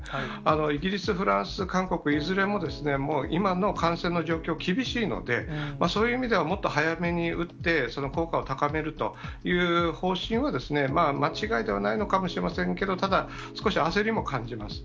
イギリス、フランス、韓国、いずれももう今の感染の状況厳しいので、そういう意味ではもっと早めに打って、その効果を高めるという方針は間違いではないのかもしれませんけど、ただ、少し焦りも感じます。